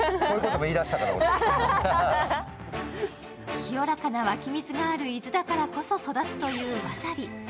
清らかな湧き水がある伊豆だから育つというわさび。